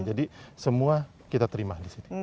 jadi semua kita terima di sini